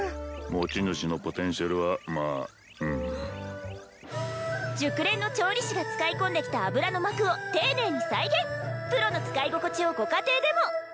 持ち主のポテンシャルはまあうん・熟練の調理師が使い込んできた油の膜を丁寧に再現プロの使い心地をご家庭でも！